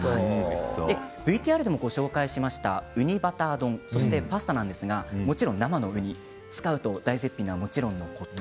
ＶＴＲでも紹介しましたウニバター丼とパスタなんですがもちろん生のウニを使うと大絶品なのはもちろんのこと